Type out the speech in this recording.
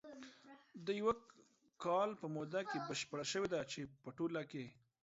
د یوه کال په موده کې بشپره شوې ده، چې په ټوله کې